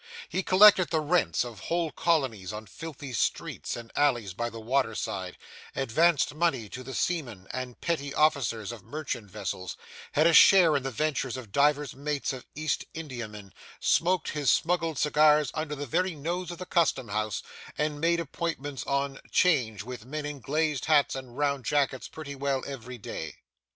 He collected the rents of whole colonies of filthy streets and alleys by the waterside, advanced money to the seamen and petty officers of merchant vessels, had a share in the ventures of divers mates of East Indiamen, smoked his smuggled cigars under the very nose of the Custom House, and made appointments on 'Change with men in glazed hats and round jackets pretty well every day.